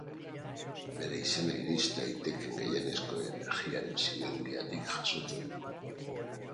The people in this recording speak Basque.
Bere izena iris daitekeen gehienezko energiaren siglengatik jasotzen du.